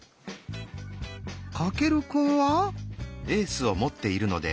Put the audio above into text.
翔くんは？